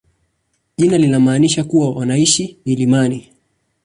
Jina linamaanisha kuwa wanaishi milimani.